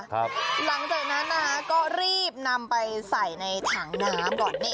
ครับหลังจากนั้นก็รีบนำไปใส่ในถังน้ำก่อน